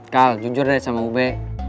kal jujur deh sama ube